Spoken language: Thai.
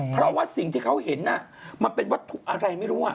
เพราะว่าสิ่งที่เขาเห็นมันเป็นวัตถุอะไรไม่รู้